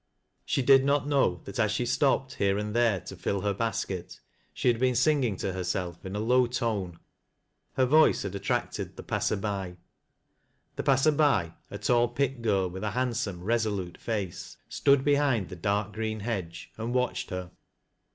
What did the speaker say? She did not know that as she stopped here and there to fill hei basket, she had been singing to herself in a low tone Her voice had attracted the passer by. This passer by — a tall pit girl with a handsome, resolute face — stood behind the dark green hedge, and watched her.